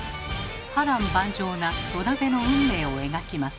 波乱万丈な土鍋の運命を描きます。